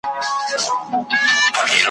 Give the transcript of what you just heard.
تر سالو لاندي ګامونه `